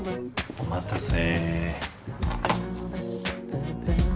お待たせ。